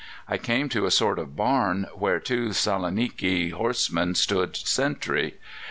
I came to a sort of barn, where two Saloniki horsemen stood sentry.